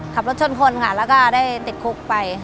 ขับรถชนคนค่ะแล้วก็ได้ติดคุกไป